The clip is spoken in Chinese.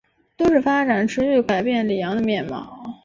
都市发展持续改变里昂的面貌。